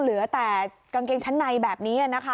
เหลือแต่กางเกงชั้นในแบบนี้นะคะ